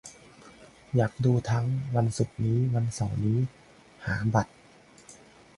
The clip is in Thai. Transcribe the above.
อยากดูทั้ง วันศุกร์นี้ วันเสาร์นี้ หาบัตร